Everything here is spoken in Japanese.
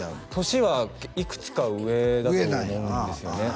年はいくつか上だと思うんですよね